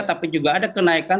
tapi juga ada kenaikan